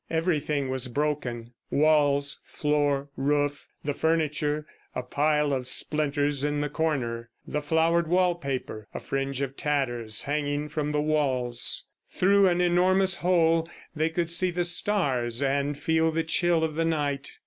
Everything was broken walls, floor, roof. The furniture, a pile of splinters in the corner; the flowered wall paper, a fringe of tatters hanging from the walls. Through an enormous hole they could see the stars and feel the chill of the night.